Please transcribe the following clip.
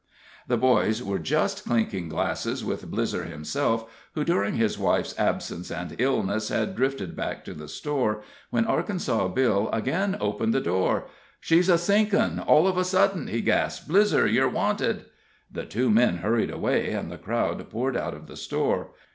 The boys were just clinking glasses with Blizzer himself, who, during his wife's absence and illness, had drifted back to the store, when Arkansas Bill again opened the door. "She's a sinkin', all of a sudden!" he gasped. "Blizzer, yer wanted." The two men hurried away, and the crowd poured out of the store.